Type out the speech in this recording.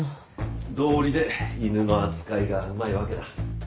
どうりで犬の扱いがうまいわけだ。